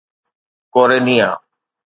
ڪوريٽيا